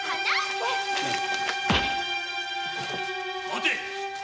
待て！